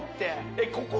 えっここ